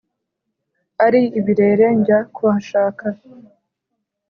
ari ibirere njya kuhashaka